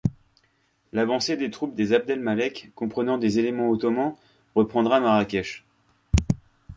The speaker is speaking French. L'avancée des troupes des Abd el Malek, comprenant des éléments ottomans reprendra Marrakech.